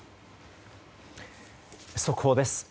速報です。